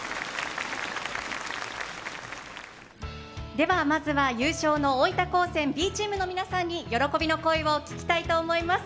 ではまずは優勝の大分高専Ｂチームの皆さんに喜びの声を聞きたいと思います。